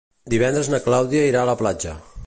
Divendres na Clàudia irà a la platja.